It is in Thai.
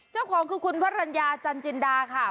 เจ้าของคือคุณพระรัญญาจันจินดาค่ะ